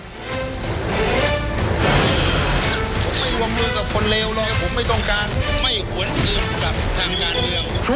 ผมไม่รวมมือกับคนเลวหรอกผมไม่ต้องการ